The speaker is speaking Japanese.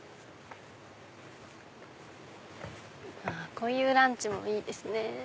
こういうランチもいいですね。